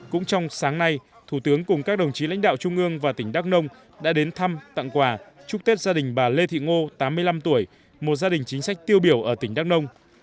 cũng trong sáng nay thủ tướng cùng các đồng chí lãnh đạo trung ương và tỉnh đắk nông đã đến thăm tặng quà chúc tết gia đình bà lê thị ngô tám mươi năm tuổi một gia đình chính sách tiêu biểu ở tỉnh đắk nông